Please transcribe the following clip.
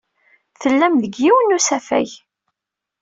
Tellam deg yiwen n usafag.